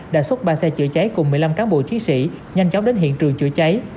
đã xuất ba xe chữa cháy cùng một mươi năm cán bộ chiến sĩ nhanh chóng đến hiện trường chữa cháy